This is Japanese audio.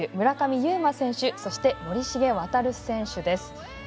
村上右磨選手そして森重航選手です。